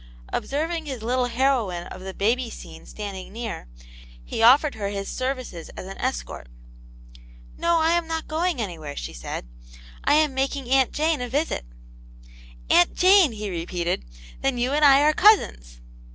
Ob serving his little heroine of the baby scene standing near, he offered her his services as an escort. " No, I am not going anywhere," she said ;" I am making Aunt Jane a visit." *'Aunt Jane!" he repeated; "then you and I are cousins.''